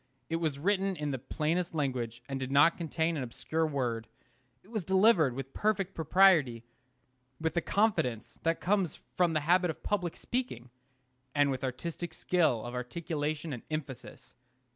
It was written in the plainest language, and did not contain an obscure word. It was delivered with perfect propriety, with the confidence that comes from the habit of public speaking, and with artistic skill of articulation and emphasis.